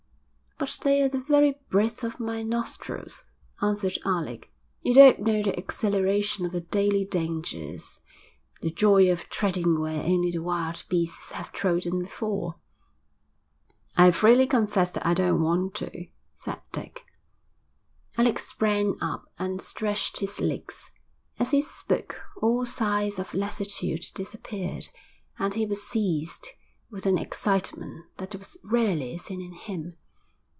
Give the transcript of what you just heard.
'But they're the very breath of my nostrils,' answered Alec. 'You don't know the exhilaration of the daily dangers, the joy of treading where only the wild beasts have trodden before.' 'I freely confess that I don't want to,' said Dick. Alec sprang up and stretched his legs. As he spoke all signs of lassitude disappeared, and he was seized with an excitement that was rarely seen in him.